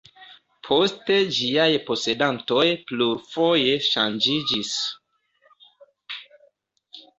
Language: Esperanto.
Poste ĝiaj posedantoj plurfoje ŝanĝiĝis.